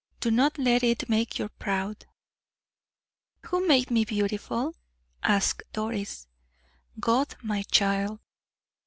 Do not let it make you proud." "Who made me beautiful?" asked Doris. "God, my child."